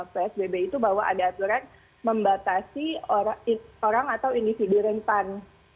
psbb itu bahwa ada aturan membatasi orang atau individu rentan